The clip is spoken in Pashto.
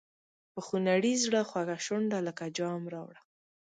په خونړي زړه خوږه شونډه لکه جام راوړه.